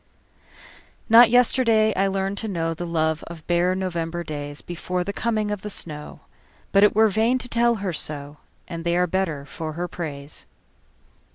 Not yesterday I learned to knowThe love of bare November daysBefore the coming of the snow, But it were vain to tell her so, And they are better for her praise.